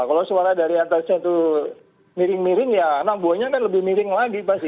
kalau suara dari atasnya itu miring miring ya enam buahnya kan lebih miring lagi pasti